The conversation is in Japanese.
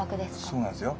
そうなんですよ。